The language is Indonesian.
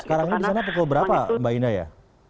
sekarang ini disana pukul berapa mbak indah ya